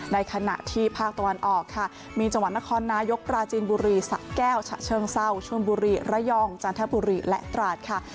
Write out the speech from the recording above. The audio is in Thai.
ในขณะที่ภาคตะวันออกค่ะมีจังหวัดนครนายกปราจีนบุรีสะแก้วฉะเชิงเศร้าชนบุรีระยองจันทบุรีและตราดค่ะ